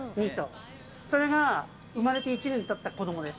それが生まれて１年経った子供です。